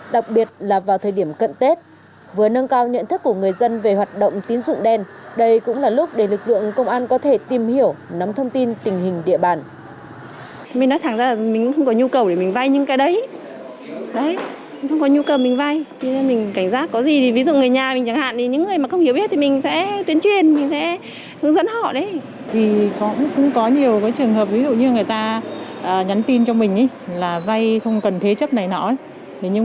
đặc biệt là vào thời điểm cận tết vừa nâng cao nhận thức của người dân về hoạt động tiến dụng đen đây cũng là lúc để lực lượng công an có thể tìm hiểu nắm thông tin tình hình địa bàn